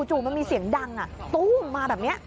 จู่มันมีเสียงดังน่ะตุ้มมาแบบนี้